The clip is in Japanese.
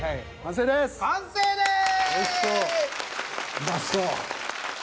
うまそう。